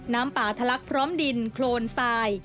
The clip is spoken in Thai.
น้ำป่าทะลักพร้อมดินโครนทราย